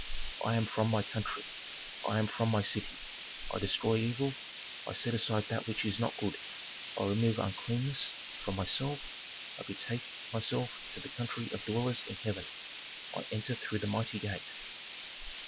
"I am from my country, I come from my city, I destroy evil, I set aside that which is not good, I remove uncleanness from myself, I betake myself to the country of dwellers in heaven, I enter through the mighty gate.